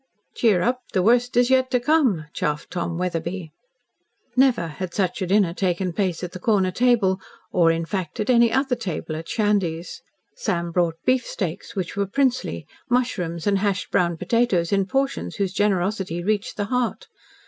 "Cheer up. The worst is yet to come," chaffed Tom Wetherbee. Never had such a dinner taken place at the corner table, or, in fact, at any other table at Shandy's. Sam brought beefsteaks, which were princely, mushrooms, and hashed brown potatoes in portions whose generosity reached the heart.